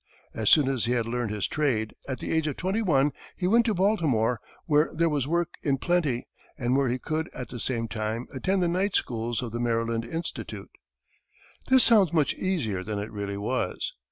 As soon as he had learned his trade, at the age of twenty one, he went to Baltimore, where there was work in plenty, and where he could, at the same time, attend the night schools of the Maryland Institute. This sounds much easier than it really was.